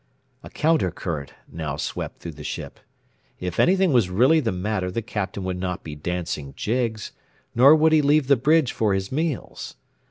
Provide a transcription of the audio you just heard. A counter current now swept through the ship. If anything was really the matter the Captain would not be dancing jigs, nor would he leave the bridge for his meals.